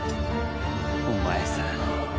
お前さん